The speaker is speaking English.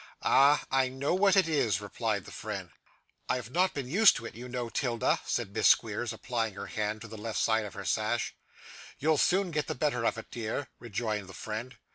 'Ah! I know what it is,' replied the friend. 'I have not been used to it, you know, 'Tilda,' said Miss Squeers, applying her hand to the left side of her sash. 'You'll soon get the better of it, dear,' rejoined the friend.